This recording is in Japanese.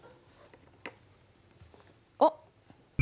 あっ。